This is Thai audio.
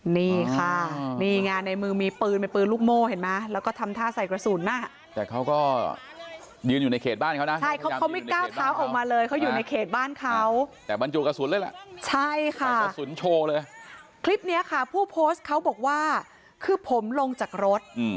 นี่ค่ะนี่ไงในมือมีปืนเป็นปืนลูกโม่เห็นไหมแล้วก็ทำท่าใส่กระสุนอ่ะแต่เขาก็ยืนอยู่ในเขตบ้านเขานะใช่เขาเขาไม่ก้าวเท้าออกมาเลยเขาอยู่ในเขตบ้านเขาแต่บรรจุกระสุนเลยล่ะใช่ค่ะกระสุนโชว์เลยคลิปเนี้ยค่ะผู้โพสต์เขาบอกว่าคือผมลงจากรถ